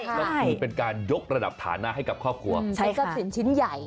ก็คือเป็นการยกระดับฐานะให้กับครอบครัวใช้ทรัพย์สินชิ้นใหญ่